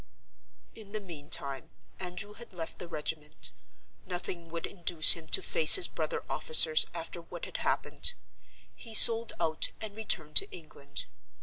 "In the meantime, Andrew had left the regiment. Nothing would induce him to face his brother officers after what had happened. He sold out and returned to England.